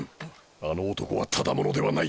あの男はただ者ではない。